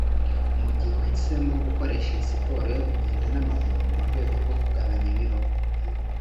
Mugihe uhisemo gukoresha iyi siporo yo kugenda n’amaguru mu rwego rwo kugabanya ibiro